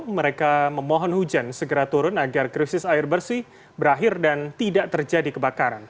mereka memohon hujan segera turun agar krisis air bersih berakhir dan tidak terjadi kebakaran